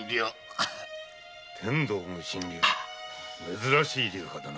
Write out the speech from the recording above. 珍しい流派だな。